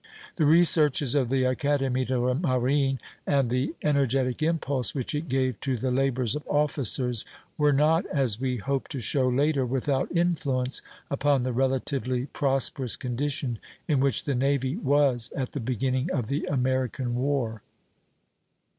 "The researches of the Académie de Marine, and the energetic impulse which it gave to the labors of officers, were not, as we hope to show later, without influence upon the relatively prosperous condition in which the navy was at the beginning of the American war."